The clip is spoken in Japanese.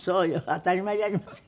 当たり前じゃありませんか。